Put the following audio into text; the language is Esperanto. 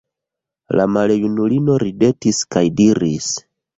La maljunulino ridetis kaj diris: